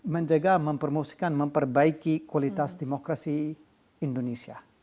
menjaga mempromosikan memperbaiki kualitas demokrasi indonesia